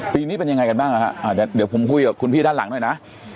ปีนี้เป็นยังไงกันบ้างนะฮะเดี๋ยวผมคุยกับคุณพี่ด้านหลังหน่อยนะ